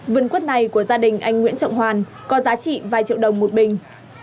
vườn quất này của gia đình anh nguyễn trọng hoàn có giá trị vài triệu đồng một bình